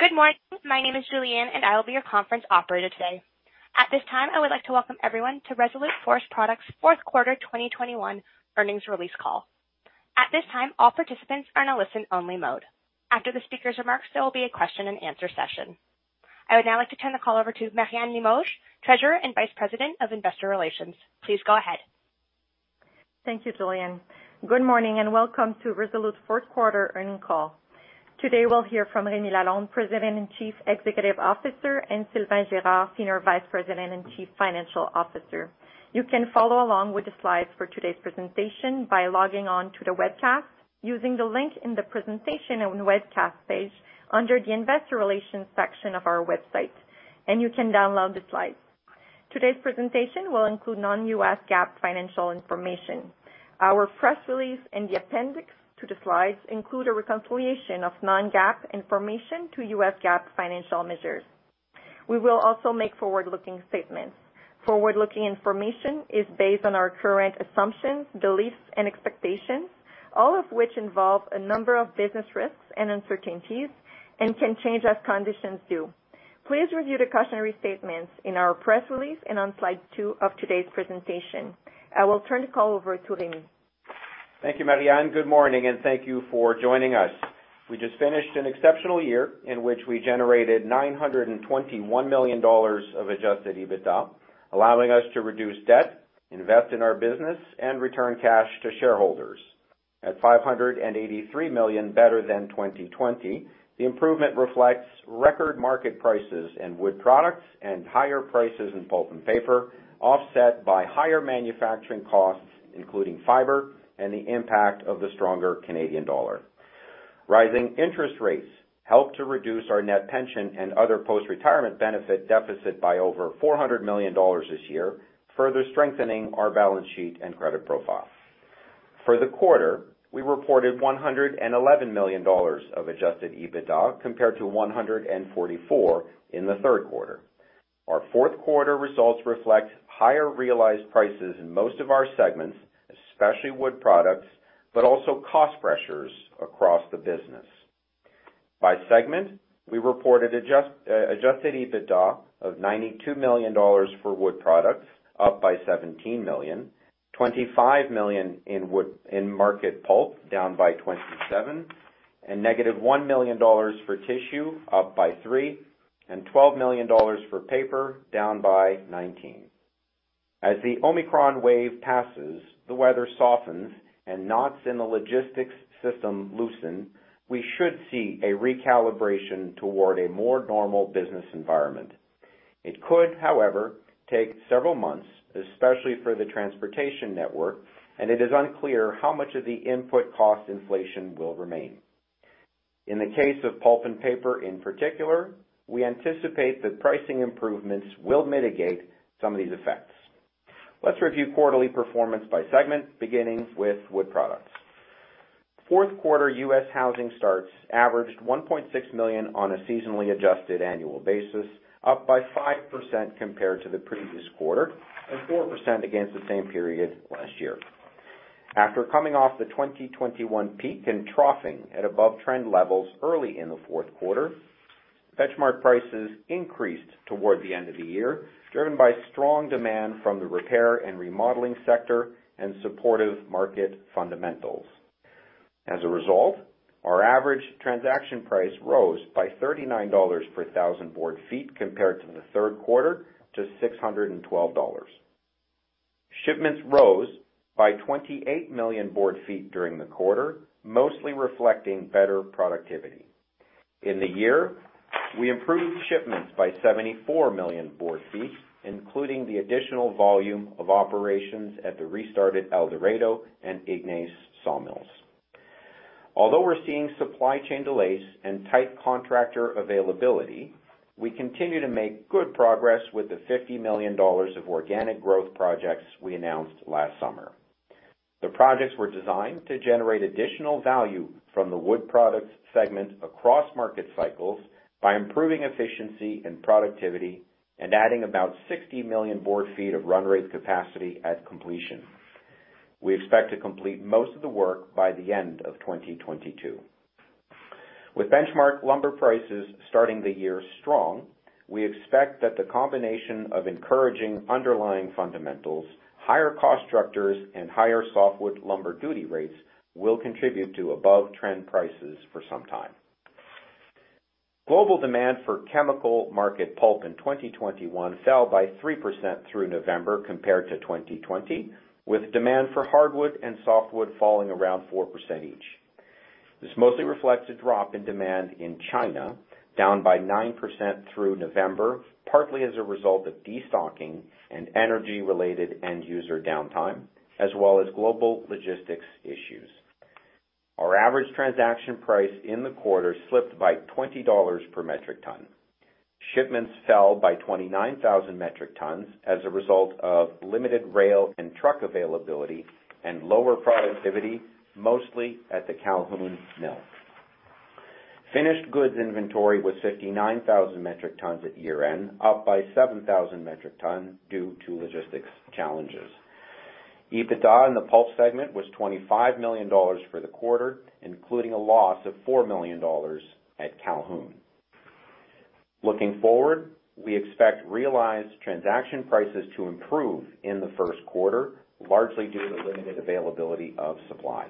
Good morning. My name is Julianne, and I will be your conference operator today. At this time, I would like to welcome everyone to Resolute Forest Products fourth quarter 2021 earnings release call. At this time, all participants are in a Listen-Only Mode. After the speaker's remarks, there will be a Question-And-Answer session. I would now like to turn the call over to Marianne Limoges, Treasurer and Vice President of Investor Relations. Please go ahead. Thank you, Julianne. Good morning and welcome to Resolute fourth quarter earnings call. Today, we'll hear from Remi G. Lalonde, President and Chief Executive Officer, and Sylvain A. Girard, Senior Vice President and Chief Financial Officer. You can follow along with the slides for today's presentation by logging on to the webcast using the link in the presentation on the webcast page under the Investor Relations section of our website, and you can download the slides. Today's presentation will include Non-U.S. GAAP financial information. Our press release and the appendix to the slides include a reconciliation of Non-GAAP information to U.S. GAAP financial measures. We will also make Forward-Looking statements. Forward-Looking information is based on our current assumptions, beliefs, and expectations, all of which involve a number of business risks and uncertainties and can change as conditions do. Please review the cautionary statements in our press release and on slide two of today's presentation. I will turn the call over to Remi. Thank you, Marianne. Good morning, and thank you for joining us. We just finished an exceptional year in which we generated $921 million of adjusted EBITDA, allowing us to reduce debt, invest in our business, and return cash to shareholders. At $583 million, better than 2020, the improvement reflects record market prices in wood products and higher prices in pulp and paper, offset by higher manufacturing costs, including fiber and the impact of the stronger Canadian dollar. Rising interest rates helped to reduce our net pension and other Post-Retirement benefit deficit by over $400 million this year, further strengthening our balance sheet and credit profile. For the quarter, we reported $111 million of Adjusted EBITDA compared to $144 in the third quarter. Our fourth quarter results reflect higher realized prices in most of our segments, especially wood products, but also cost pressures across the business. By segment, we reported Adjusted EBITDA of $92 million for wood products, up by $17 million, $25 million in market pulp, down by $27 million, and negative $1 million for tissue, up by $3 million, and $12 million for paper, down by $19 million. As the Omicron wave passes, the weather softens and knots in the logistics system loosen, we should see a recalibration toward a more normal business environment. It could, however, take several months, especially for the transportation network, and it is unclear how much of the input cost inflation will remain. In the case of pulp and paper, in particular, we anticipate that pricing improvements will mitigate some of these effects. Let's review quarterly performance by segment, beginning with wood products. Fourth quarter U.S. housing starts averaged 1.6 million on a seasonally adjusted annual basis, up by 5% compared to the previous quarter and 4% against the same period last year. After coming off the 2021 peak and troughing at Above-Trend levels early in the fourth quarter, benchmark prices increased toward the end of the year, driven by strong demand from the repair and remodeling sector and supportive market fundamentals. As a result, our average transaction price rose by $39 per thousand board feet compared to the third quarter to $612. Shipments rose by 28 million board feet during the quarter, mostly reflecting better productivity. In the year, we improved shipments by 74 million board feet, including the additional volume of operations at the restarted El Dorado and Ignace sawmills. Although we're seeing supply chain delays and tight contractor availability, we continue to make good progress with the $50 million of organic growth projects we announced last summer. The projects were designed to generate additional value from the wood products segment across market cycles by improving efficiency and productivity and adding about 60 million board feet of run rate capacity at completion. We expect to complete most of the work by the end of 2022. With benchmark lumber prices starting the year strong, we expect that the combination of encouraging underlying fundamentals, higher cost structures, and higher softwood lumber duty rates will contribute to Above-Trend prices for some time. Global demand for chemical market pulp in 2021 fell by 3% through November compared to 2020, with demand for hardwood and softwood falling around 4% each. This mostly reflects a drop in demand in China, down by 9% through November, partly as a result of destocking and Energy-Related End-User downtime, as well as global logistics issues. Our average transaction price in the quarter slipped by $20 per metric ton. Shipments fell by 29,000 metric tons as a result of limited rail and truck availability and lower productivity, mostly at the Calhoun mill. Finished goods inventory was 59,000 metric tons at Year-End, up by 7,000 metric tons due to logistics challenges. EBITDA in the pulp segment was $25 million for the quarter, including a loss of $4 million at Calhoun. Looking forward, we expect realized transaction prices to improve in the first quarter, largely due to limited availability of supply.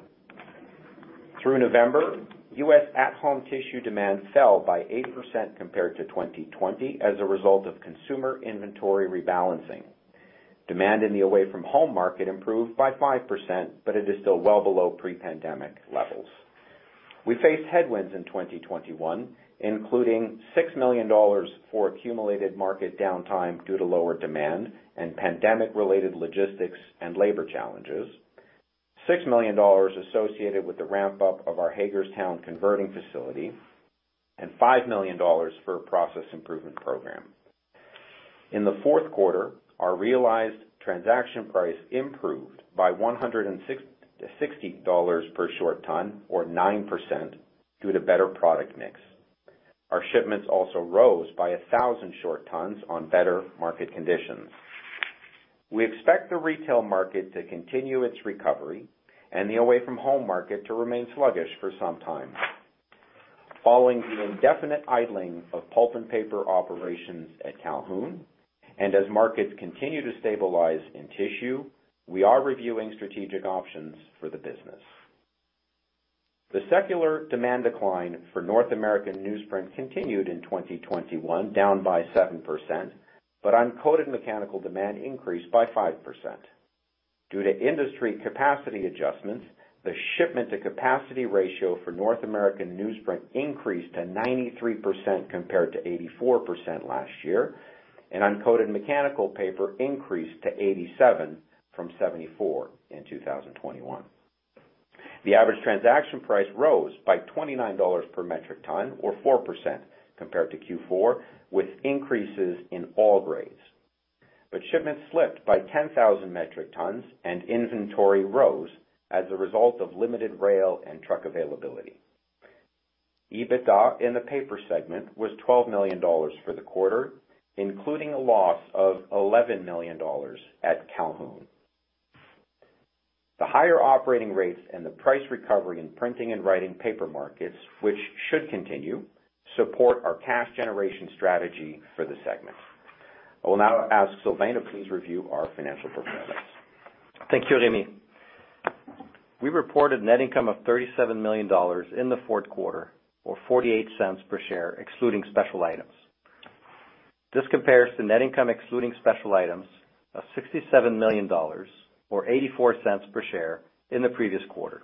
Through November, U.S. at-home tissue demand fell by 8% compared to 2020 as a result of consumer inventory rebalancing. Demand in the away-from-home market improved by 5%, but it is still well below pre-pandemic levels. We faced headwinds in 2021, including $6 million for accumulated market downtime due to lower demand and pandemic-related logistics and labor challenges, $6 million associated with the ramp-up of our Hagerstown converting facility, and $5 million for a process improvement program. In the fourth quarter, our realized transaction price improved by $160 per short ton or 9% due to better product mix. Our shipments also rose by 1,000 short tons on better market conditions. We expect the retail market to continue its recovery and the away-from-home market to remain sluggish for some time. Following the indefinite idling of pulp and paper operations at Calhoun, and as markets continue to stabilize in tissue, we are reviewing strategic options for the business. The secular demand decline for North American newsprint continued in 2021, down by 7%, but uncoated mechanical demand increased by 5%. Due to industry capacity adjustments, the shipment to capacity ratio for North American newsprint increased to 93% compared to 84% last year, and uncoated mechanical paper increased to 87% from 74% in 2021. The average transaction price rose by $29 per metric ton or 4% compared to Q4, with increases in all grades. Shipments slipped by 10,000 metric tons and inventory rose as a result of limited rail and truck availability. EBITDA in the paper segment was $12 million for the quarter, including a loss of $11 million at Calhoun. The higher operating rates and the price recovery in printing and writing paper markets, which should continue, support our cash generation strategy for the segment.I will now ask Sylvain to please review our financial performance. Thank you, Remi. We reported net income of $37 million in the fourth quarter, or $0.48 per share excluding special items. This compares to net income excluding special items of $67 million or $0.84 per share in the previous quarter,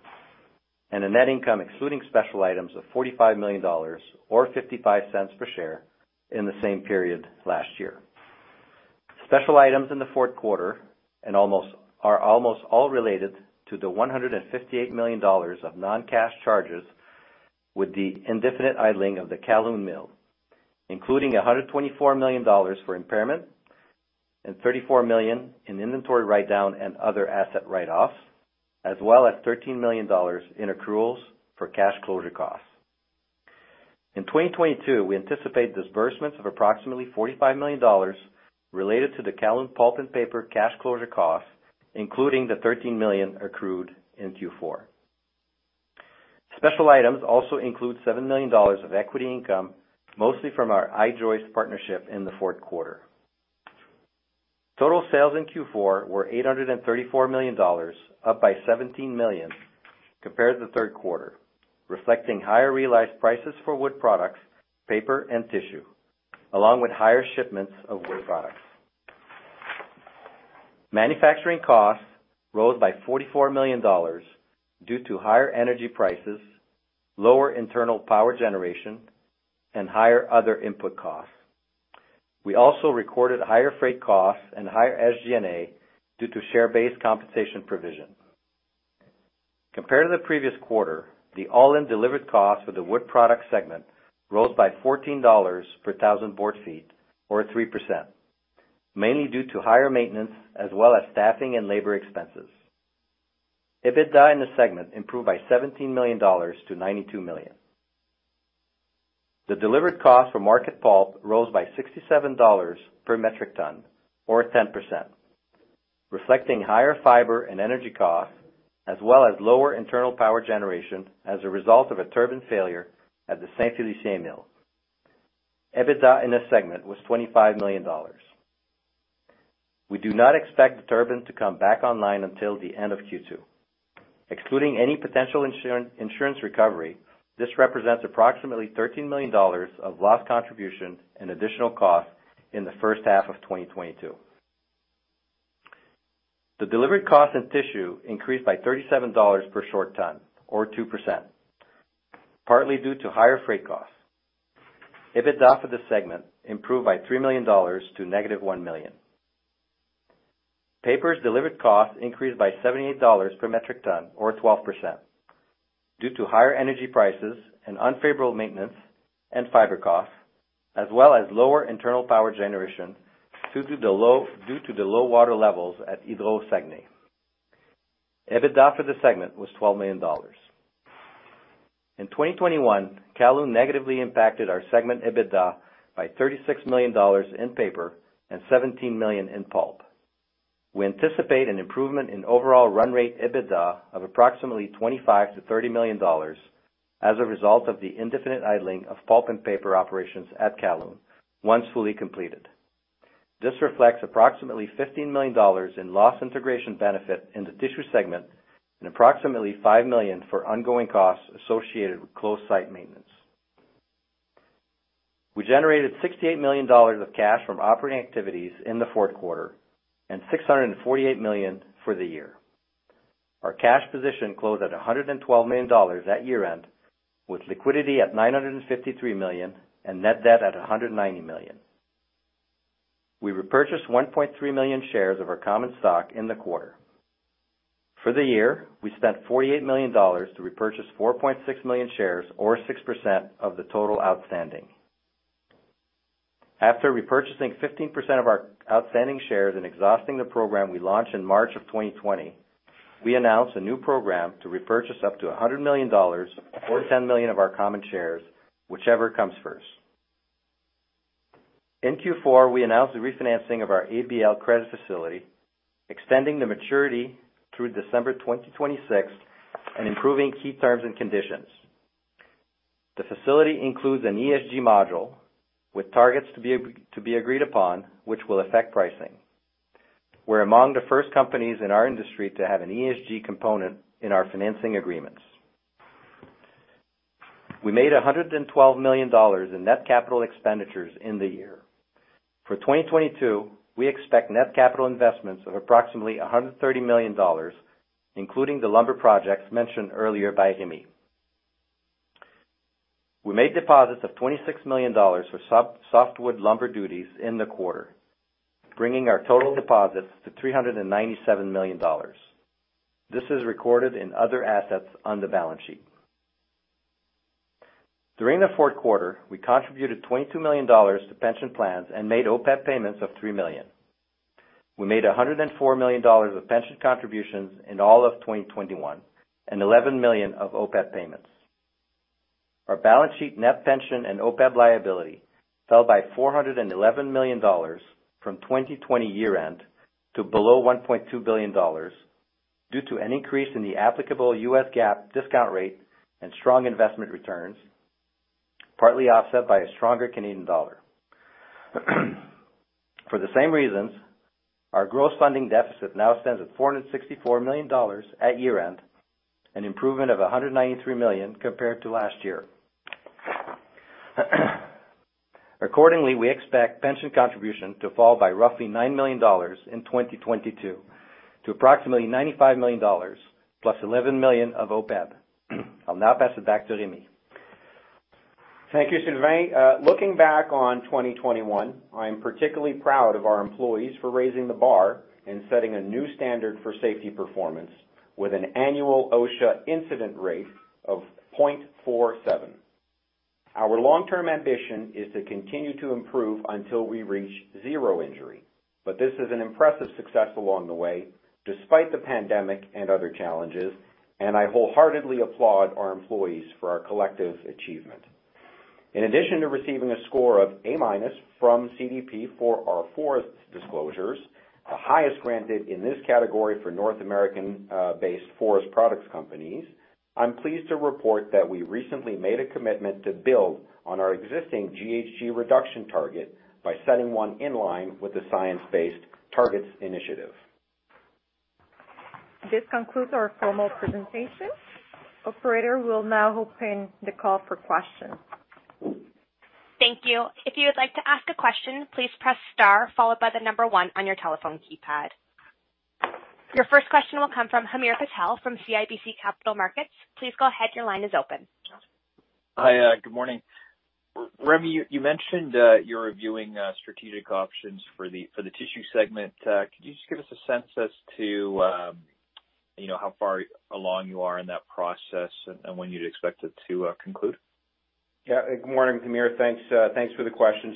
and a net income excluding special items of $45 million or $0.55 per share in the same period last year. Special items in the fourth quarter are almost all related to the $158 million of Non-cash charges with the indefinite idling of the Calhoun mill, including $124 million for impairment and $34 million in inventory write-down and other asset write-offs, as well as $13 million in accruals for cash closure costs. In 2022, we anticipate disbursements of approximately $45 million related to the Calhoun Pulp and Paper cash closure costs, including the $13 million accrued in Q4. Special items also include $7 million of equity income, mostly from our I-Joist partnership in the fourth quarter. Total sales in Q4 were $834 million, up by $17 million compared to the third quarter, reflecting higher realized prices for wood products, paper, and tissue, along with higher shipments of wood products. Manufacturing costs rose by $44 million due to higher energy prices, lower internal power generation, and higher other input costs. We also recorded higher freight costs and higher SG&A due to share-based compensation provision. Compared to the previous quarter, the all-in delivered cost for the wood product segment rose by $14 per thousand board feet or 3%, mainly due to higher maintenance as well as staffing and labor expenses. EBITDA in this segment improved by $17 million to $92 million. The delivered cost for market pulp rose by $67 per metric ton or 10%, reflecting higher fiber and energy costs, as well as lower internal power generation as a result of a turbine failure at the Saint-Hyacinthe mill. EBITDA in this segment was $25 million. We do not expect the turbine to come back online until the end of Q2. Excluding any potential insurance recovery, this represents approximately $13 million of lost contribution and additional cost in the first half of 2022. The delivered cost in tissue increased by $37 per short ton or 2%, partly due to higher freight costs. EBITDA for this segment improved by $3 million to negative $1 million. Paper's delivered cost increased by $78 per metric ton or 12% due to higher energy prices and unfavorable maintenance and fiber costs, as well as lower internal power generation due to the low water levels at Hydro-Saguenay. EBITDA for this segment was $12 million. In 2021, Calhoun negatively impacted our segment EBITDA by $36 million in paper and $17 million in pulp. We anticipate an improvement in overall run rate EBITDA of approximately $25 million-$30 million as a result of the indefinite idling of pulp and paper operations at Calhoun once fully completed. This reflects approximately $15 million in loss integration benefit in the tissue segment and approximately $5 million for ongoing costs associated with closed site maintenance. We generated $68 million of cash from operating activities in the fourth quarter and $648 million for the year. Our cash position closed at $112 million at Year-End, with liquidity at $953 million and net debt at $190 million. We repurchased 1.3 million shares of our common stock in the quarter. For the year, we spent $48 million to repurchase 4.6 million shares or 6% of the total outstanding. After repurchasing 15% of our outstanding shares and exhausting the program we launched in March of 2020, we announced a new program to repurchase up to $100 million or 10 million of our common shares, whichever comes first. In Q4, we announced the refinancing of our ABL credit facility, extending the maturity through December 2026 and improving key terms and conditions. The facility includes an ESG module with targets to be agreed upon, which will affect pricing. We're among the first companies in our industry to have an ESG component in our financing agreements. We made $112 million in net capital expenditures in the year. For 2022, we expect net capital investments of approximately $130 million, including the lumber projects mentioned earlier by Remi. We made deposits of $26 million for softwood lumber duties in the quarter, bringing our total deposits to $397 million. This is recorded in other assets on the balance sheet. During the fourth quarter, we contributed $22 million to pension plans and made OPEB payments of $3 million. We made $104 million of pension contributions in all of 2021 and $11 million of OPEB payments. Our balance sheet net pension and OPEB liability fell by $411 million from 2020 Year-End to below $1.2 billion due to an increase in the applicable U.S. GAAP discount rate and strong investment returns, partly offset by a stronger Canadian dollar. For the same reasons, our gross funding deficit now stands at $464 million at Year-End, an improvement of $193 million compared to last year. Accordingly, we expect pension contribution to fall by roughly $9 million in 2022 to approximately $95 million plus $11 million of OPEB. I'll now pass it back to Remi. Thank you, Sylvain. Looking back on 2021, I am particularly proud of our employees for raising the bar and setting a new standard for safety performance with an annual OSHA incident rate of 0.47. Our long-term ambition is to continue to improve until we reach zero injury, but this is an impressive success along the way, despite the pandemic and other challenges, and I wholeheartedly applaud our employees for our collective achievement. In addition to receiving a score of A-minus from CDP for our forest disclosures, the highest granted in this category for North American based forest products companies, I'm pleased to report that we recently made a commitment to build on our existing GHG reduction target by setting one in line with the Science Based Targets initiative. This concludes our formal presentation. Operator, we'll now open the call for questions. Thank you. If you would like to ask a question, please press star followed by the number 1 on your telephone keypad. Your first question will come from Hamir Patel from CIBC Capital Markets. Please go ahead. Your line is open. Hi, good morning. Remy, you mentioned you're reviewing strategic options for the tissue segment. Could you just give us a sense as to, you know, how far along you are in that process and when you'd expect it to conclude? Yeah. Good morning, Hamir. Thanks for the question.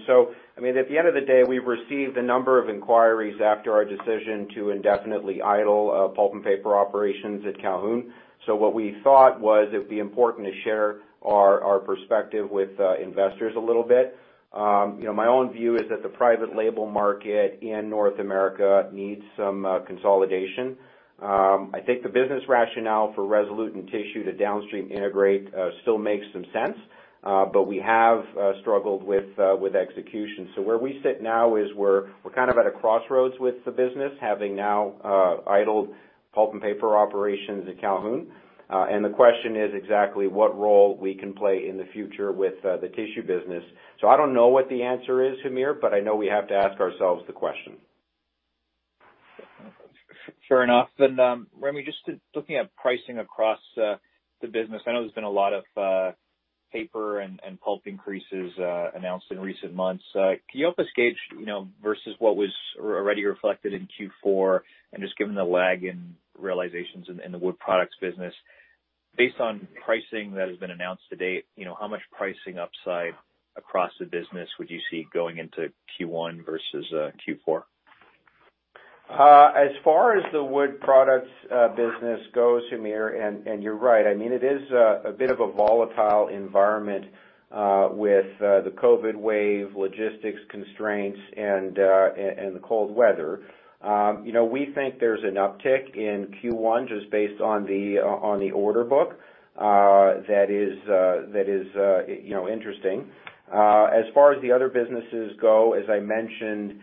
I mean, at the end of the day, we've received a number of inquiries after our decision to indefinitely idle pulp and paper operations at Calhoun. What we thought was it'd be important to share our perspective with investors a little bit. You know, my own view is that the private label market in North America needs some consolidation. I think the business rationale for Resolute in tissue to downstream integrate still makes some sense, but we have struggled with execution. Where we sit now is we're kind of at a crossroads with the business, having now idled pulp and paper operations at Calhoun. The question is exactly what role we can play in the future with the tissue business. I don't know what the answer is, Hamir, but I know we have to ask ourselves the question. Sure enough. Remi, just looking at pricing across the business, I know there's been a lot of paper and pulp increases announced in recent months. Can you help us gauge, you know, versus what was already reflected in Q4, and just given the lag in realizations in the wood products business, based on pricing that has been announced to date, you know, how much pricing upside across the business would you see going into Q1 versus Q4? As far as the Wood Products business goes, Hamir Patel, and you're right. I mean, it is a bit of a volatile environment with the COVID wave, logistics constraints, and the cold weather. You know, we think there's an uptick in Q1 just based on the order book that is, you know, interesting. As far as the other businesses go, as I mentioned,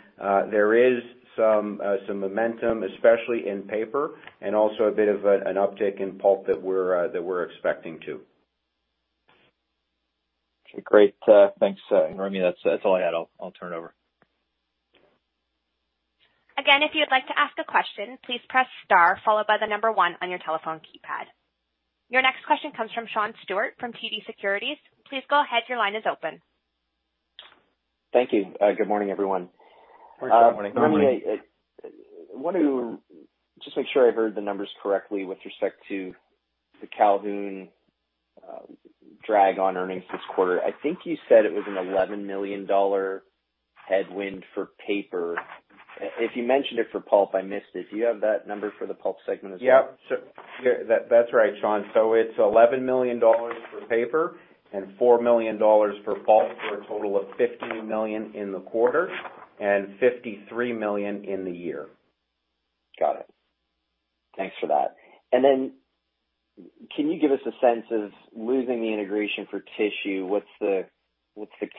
there is some momentum, especially in paper, and also a bit of an uptick in pulp that we're expecting too. Okay, great. Thanks, Remi. That's all I had. I'll turn it over. Again, if you'd like to ask a question, please press star followed by the number one on your telephone keypad. Your next question comes from Sean Steuart from TD Securities. Please go ahead, your line is open. Thank you. Good morning, everyone. Good morning. Good morning. Remi, I wanted to just make sure I heard the numbers correctly with respect to the Calhoun drag on earnings this quarter. I think you said it was an $11 million headwind for paper. If you mentioned it for pulp, I missed it. Do you have that number for the pulp segment as well? Yeah. Yeah, that's right, Sean. It's $11 million for paper and $4 million for pulp, for a total of $15 million in the quarter and $53 million in the year. Got it. Thanks for that. Can you give us a sense of losing the integration for tissue? What's the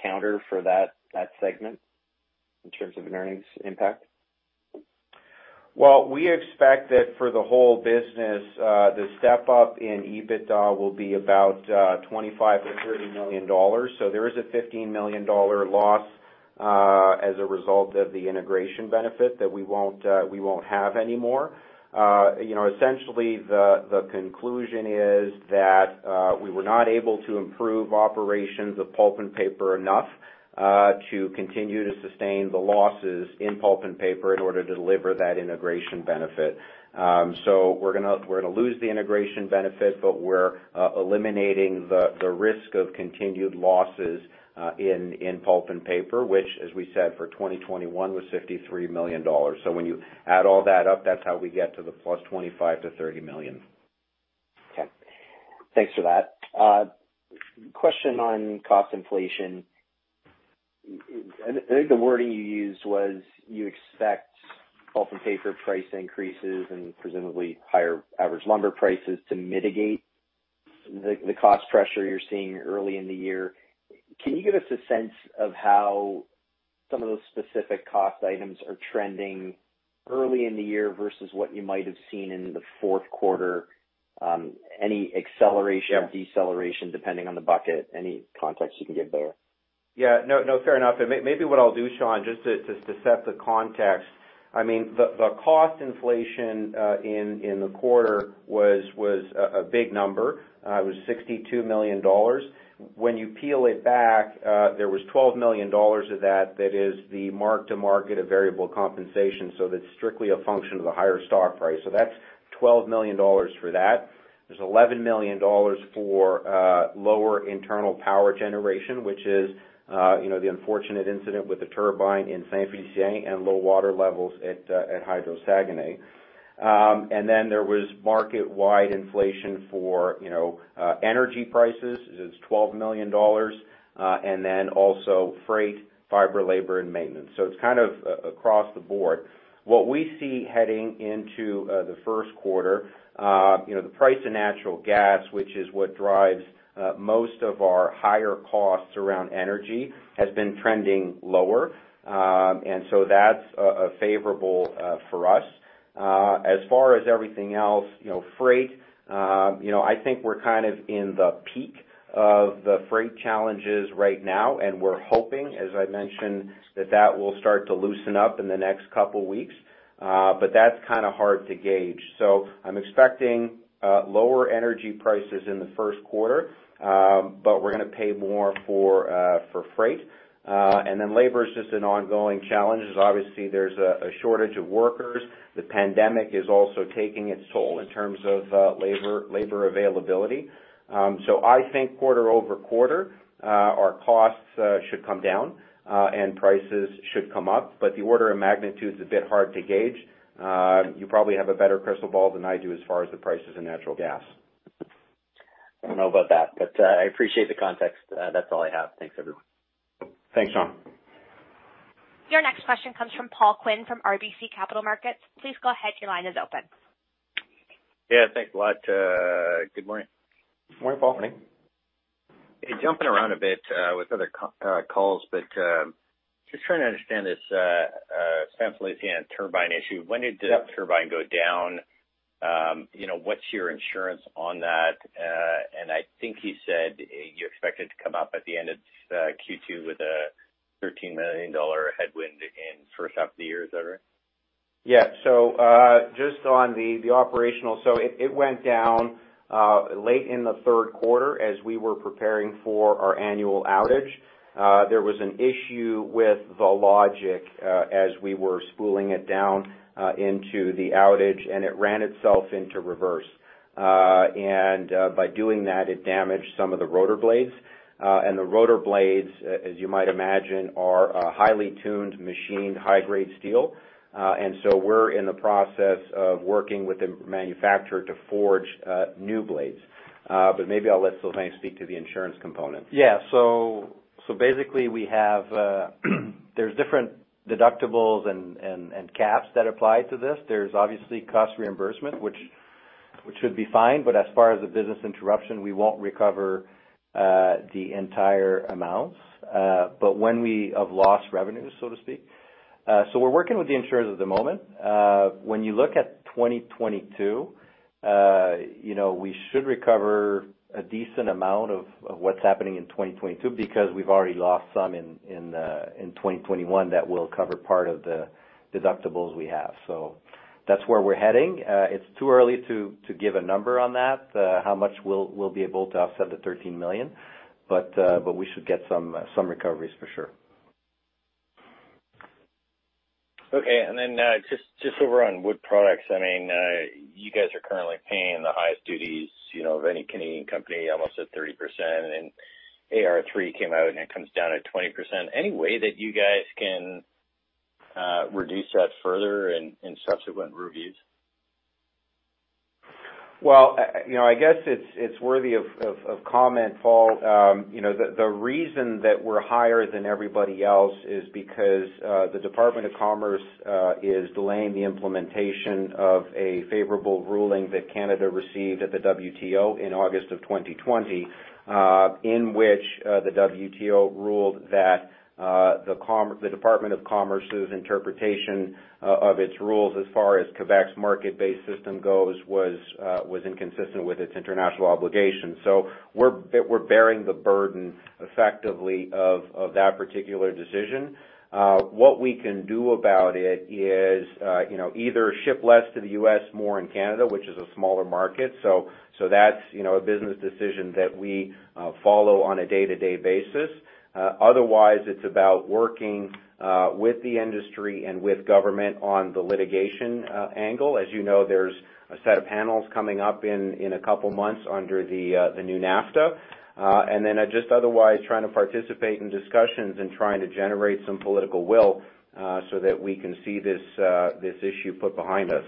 counter for that segment in terms of an earnings impact? Well, we expect that for the whole business, the step up in EBITDA will be about $25 million-$30 million. There is a $15 million loss as a result of the integration benefit that we won't have anymore. You know, essentially, the conclusion is that we were not able to improve operations of pulp and paper enough to continue to sustain the losses in pulp and paper in order to deliver that integration benefit. We're gonna lose the integration benefit, but we're eliminating the risk of continued losses in pulp and paper, which as we said, for 2021 was $53 million. When you add all that up, that's how we get to the plus $25 million-$30 million. Okay. Thanks for that. Question on cost inflation. I think the wording you used was you expect pulp and paper price increases and presumably higher average lumber prices to mitigate the cost pressure you're seeing early in the year. Can you give us a sense of how some of those specific cost items are trending early in the year versus what you might have seen in the fourth quarter? Any acceleration- Yeah. deceleration, depending on the bucket? Any context you can give there? Yeah. No, no, fair enough. Maybe what I'll do, Sean, just to set the context, I mean, the cost inflation in the quarter was a big number. It was $62 million. When you peel it back, there was $12 million of that is the mark-to-market, a variable compensation. So that's strictly a function of the higher stock price. So that's $12 million for that. There's $11 million for lower internal power generation, which is, you know, the unfortunate incident with the turbine in Saint-Félicien and low water levels at Hydro-Saguenay. Then there was market-wide inflation for energy prices, you know. It is $12 million. Then also freight, fiber, labor, and maintenance. So it's kind of across the board. What we see heading into the first quarter, you know, the price of natural gas, which is what drives most of our higher costs around energy, has been trending lower. That's favorable for us. As far as everything else, you know, freight, you know, I think we're kind of in the peak of the freight challenges right now, and we're hoping, as I mentioned, that that will start to loosen up in the next couple weeks. That's kinda hard to gauge. I'm expecting lower energy prices in the first quarter, but we're gonna pay more for freight. Then labor is just an ongoing challenge, as obviously there's a shortage of workers. The pandemic is also taking its toll in terms of labor availability. I think quarter-over-quarter, our costs should come down, and prices should come up. The order of magnitude is a bit hard to gauge. You probably have a better crystal ball than I do as far as the prices in natural gas. I don't know about that, but, I appreciate the context. That's all I have. Thanks, everyone. Thanks, Sean. Your next question comes from Paul Quinn from RBC Capital Markets. Please go ahead, your line is open. Yeah, thanks a lot. Good morning. Good morning. Morning. Hey, jumping around a bit, with other calls, but, just trying to understand this, Saint-Félicien turbine issue. When did- Yeah. the turbine go down? You know, what's your insurance on that? I think you said you expect it to come up at the end of Q2 with a $13 million headwind in first half of the year. Is that right? Yeah. Just on the operational, it went down late in the third quarter as we were preparing for our annual outage. There was an issue with the logic as we were spooling it down into the outage, and it ran itself into reverse. By doing that, it damaged some of the rotor blades. The rotor blades, as you might imagine, are a highly tuned machined high-grade steel. We're in the process of working with the manufacturer to forge new blades. But maybe I'll let Sylvain speak to the insurance component. Yeah. Basically we have, there's different deductibles and caps that apply to this. There's obviously cost reimbursement, which should be fine. As far as the business interruption, we won't recover the entire amounts when we have lost revenues, so to speak. We're working with the insurers at the moment. When you look at 2022, you know, we should recover a decent amount of what's happening in 2022 because we've already lost some in 2021 that will cover part of the deductibles we have. That's where we're heading. It's too early to give a number on that, how much we'll be able to offset the $13 million, but we should get some recoveries for sure. Okay. Just over on wood products. I mean, you guys are currently paying the highest duties, you know, of any Canadian company, almost at 30%. AR 3 came out, and it comes down to 20%. Any way that you guys can reduce that further in subsequent reviews? Well, you know, I guess it's worthy of comment, Paul. You know, the reason that we're higher than everybody else is because the Department of Commerce is delaying the implementation of a favorable ruling that Canada received at the WTO in August 2020, in which the WTO ruled that the Department of Commerce's interpretation of its rules as far as Quebec's Market-Based system goes was inconsistent with its international obligations. We're bearing the burden effectively of that particular decision. What we can do about it is you know, either ship less to the U.S., more in Canada, which is a smaller market. That's you know, a business decision that we follow on a day-to-day basis. Otherwise, it's about working with the industry and with government on the litigation angle. As you know, there's a set of panels coming up in a couple months under the new NAFTA. Just otherwise trying to participate in discussions and trying to generate some political will, so that we can see this issue put behind us.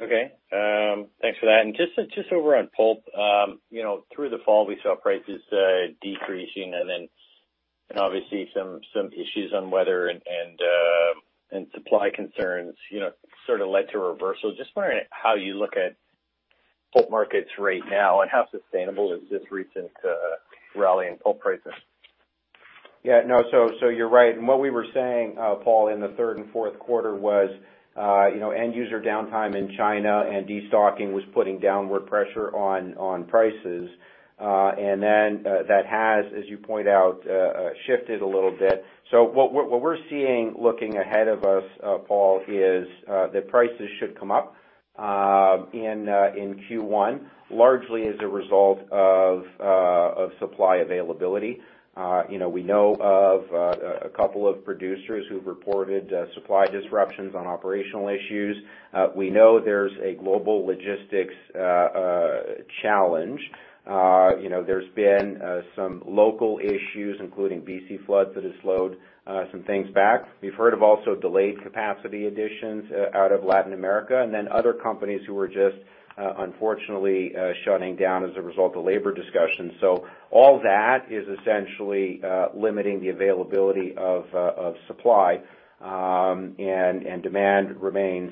Okay. Thanks for that. Just over on pulp, you know, through the fall, we saw prices decreasing and then obviously some issues on weather and supply concerns, you know, sort of led to a reversal. Just wondering how you look at pulp markets right now, and how sustainable is this recent rally in pulp prices? Yeah, no. You're right. What we were saying, Paul, in the third and fourth quarter was end user downtime in China and destocking was putting downward pressure on prices. That has, as you point out, shifted a little bit. What we're seeing looking ahead of us, Paul, is that prices should come up in Q1, largely as a result of supply availability. We know of a couple of producers who've reported supply disruptions on operational issues. We know there's a global logistics challenge. There's been some local issues, including B.C. floods that has slowed some things back. We've heard of also delayed capacity additions out of Latin America, and then other companies who are just, unfortunately, shutting down as a result of labor discussions. All that is essentially limiting the availability of of supply, and demand remains,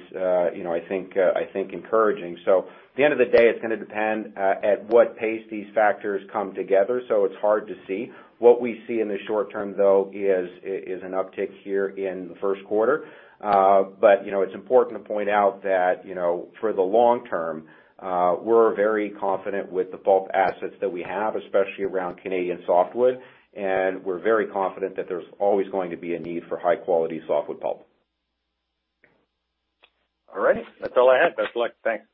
you know, I think encouraging. At the end of the day, it's gonna depend at what pace these factors come together, so it's hard to see. What we see in the short term, though, is an uptick here in the first quarter. You know, it's important to point out that, you know, for the long term, we're very confident with the pulp assets that we have, especially around Canadian softwood, and we're very confident that there's always going to be a need for high-quality softwood pulp. All right. That's all I had. Best of luck. Thanks.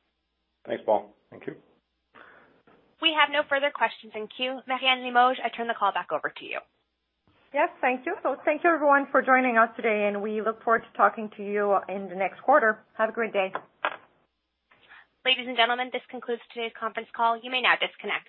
Thanks, Paul. Thank you. We have no further questions in queue. Marianne Limoges, I turn the call back over to you. Yes, thank you. Thank you everyone for joining us today, and we look forward to talking to you in the next quarter. Have a great day. Ladies and gentlemen, this concludes today's conference call. You may now disconnect.